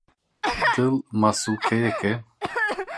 Dil masûlkeyek e.